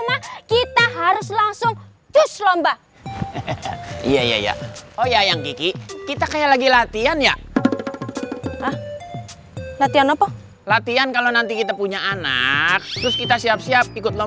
sekarang dakwaannya elsa jadi